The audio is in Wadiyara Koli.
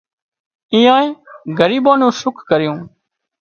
ايئانئي ڳريٻان نُون سُک ڪريون